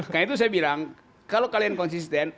karena itu saya bilang kalau kalian konsisten